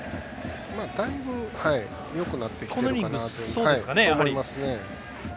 だいぶよくなってきているかなと思いますね。